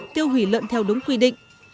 tiêu hủy lợn theo đúng quy định